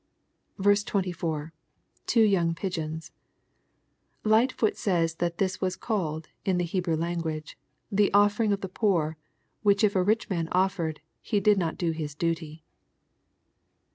24. — [Tu)o young ptgeons,] Lightfoot says that this was called, in the Hebrew language, " The offering of the poor, which if a rich man offered, he did not do his duty.